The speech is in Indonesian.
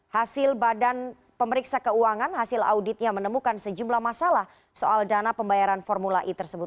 hasil badan pemeriksa keuangan hasil auditnya menemukan sejumlah masalah soal dana pembayaran formula e tersebut